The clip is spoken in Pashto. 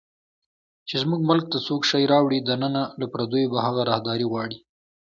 چې زموږ ملک ته څوک شی راوړي دننه، له پردیو به هغه راهداري غواړي